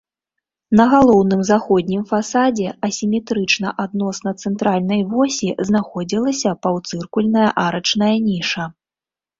На галоўным заходнім фасадзе асіметрычна адносна цэнтральнай восі знаходзілася паўцыркульная арачная ніша.